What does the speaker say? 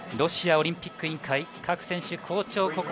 ロシアオリンピック委員会、各選手好調。